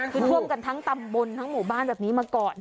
คือท่วมกันทั้งตำบลทั้งหมู่บ้านแบบนี้มาก่อน